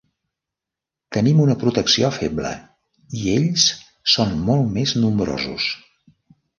Tenim una protecció feble i ells són molt més nombrosos.